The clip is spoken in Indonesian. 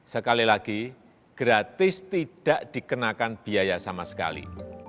sekali lagi gratis tidak dikenakan biaya sama sekali